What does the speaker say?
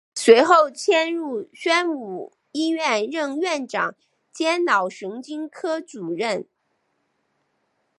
随后迁入宣武医院任院长兼脑神经科主任。